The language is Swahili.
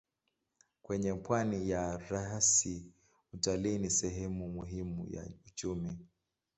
Kwenye pwani ya rasi utalii ni sehemu muhimu ya uchumi.